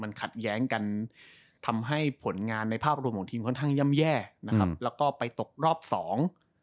มันขัดแย้งกันทำให้ผลงานในภาพรวมของทีมค่อนข้างย่ำแย่นะครับแล้วก็ไปตกรอบสอง